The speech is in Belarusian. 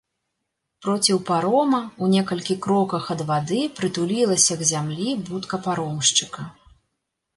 Проціў парома, у некалькі кроках ад вады прытулілася к зямлі будка паромшчыка.